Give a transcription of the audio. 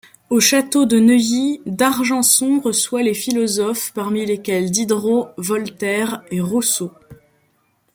Au château de Neuilly, d'Argenson reçoit les Philosophes parmi lesquels Diderot, Voltaire et Rousseau.